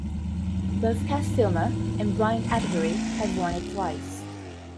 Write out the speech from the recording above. Both Kath Filmer and Brian Attebery have won it twice.